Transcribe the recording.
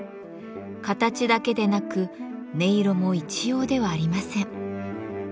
形だけでなく音色も一様ではありません。